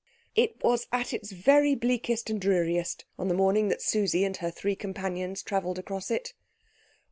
It was at its very bleakest and dreariest on the morning that Susie and her three companions travelled across it.